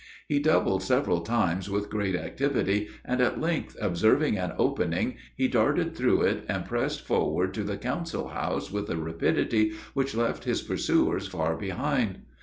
He doubled several times with great activity, and at length observing an opening he darted through it, and pressed forward to the council house with a rapidity which left his pursuers far behind.